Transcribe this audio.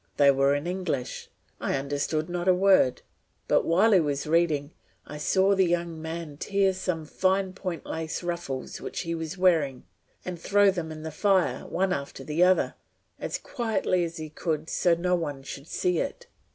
They were in English; I understood not a word, but while he was reading I saw the young man tear some fine point lace ruffles which he was wearing, and throw them in the fire one after another, as quietly as he could, so that no one should see it.